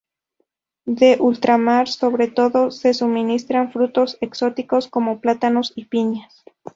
De ultramar sobre todo se suministran frutos exóticos como plátanos y piñas.